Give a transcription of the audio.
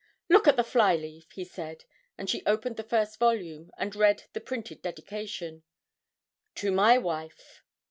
'Look at the fly leaf,' he said, and she opened the first volume, and read the printed dedication, '_To My Wife.